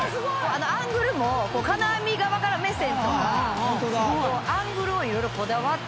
アングルも金網側から目線とかアングルを色々こだわって。